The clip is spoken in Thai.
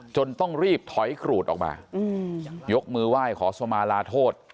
ต้องรีบถอยกรูดออกมายกมือไหว้ขอสมาลาโทษ